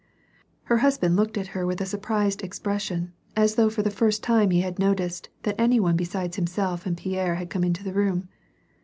Her husband looked at her with a surprised expression, as though for the first time he had noticed that any one besides himself and Pierre had come into the room.